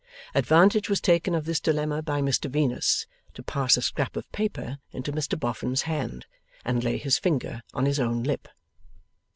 Advantage was taken of this dilemma by Mr Venus, to pass a scrap of paper into Mr Boffin's hand, and lay his finger on his own lip.